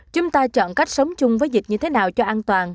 chúng ta chọn cách sống chung với dịch như thế nào cho an toàn